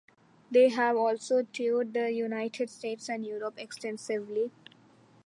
They have also toured the United States and Europe extensively.